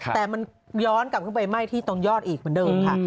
แต่มันย้อนกลับขึ้นไปไหม้ที่ตรงยอดอีกเหมือนเดิมค่ะ